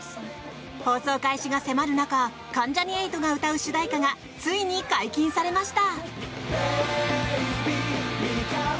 放送開始が迫る中関ジャニ∞が歌う主題歌がついに解禁されました。